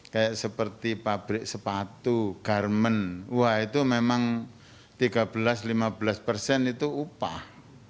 kayak seperti pabrik sepatu garmen wah itu memang tiga belas lima belas persen itu upah